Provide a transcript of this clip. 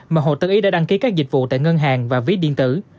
mà hồ tự ý đã đăng ký các dịch vụ tại ngân hàng và ví điện tử